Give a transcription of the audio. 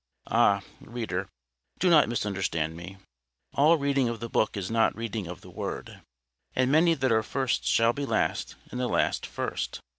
Ah! reader, do not misunderstand me. All reading of the Book is not reading of the Word. And many that are first shall be last and the last first.